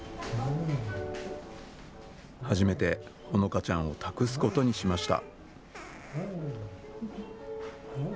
初めて、ほのかちゃんを託すことにしました。